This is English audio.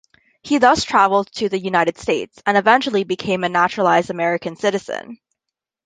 He thus traveled to the United States, and eventually became a naturalized American citizen.